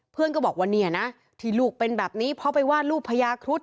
เพื่อนก็บอกว่าเนี่ยนะที่ลูกเป็นแบบนี้เพราะไปวาดรูปพญาครุฑ